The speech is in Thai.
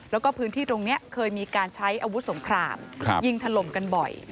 แล้วก็พื้นที่ตรงนี้เคยมีการใช้อาวุธสงครามยิงถล่มกันบ่อย